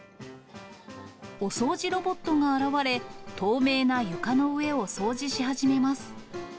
お掃除ロボットが現れ、透明な床の上を掃除し始めます。